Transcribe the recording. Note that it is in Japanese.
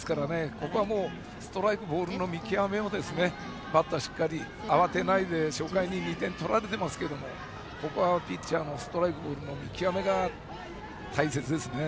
ここはストライク、ボールの見極めをバッターは慌てないで初回に２点取られてますけどここはピッチャーのストライクの見極めが大切ですね。